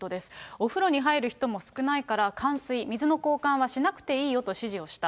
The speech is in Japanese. お風呂に入る人も少ないから、換水、水の交換はしなくていいよと指示をした。